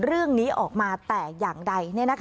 เรื่องนี้ออกมาแต่อย่างใด